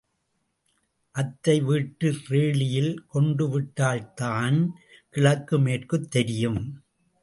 அத்தை வீட்டு ரேழியில் கொண்டுவிட்டால்தான் கிழக்கு மேற்குத் தெரியும்.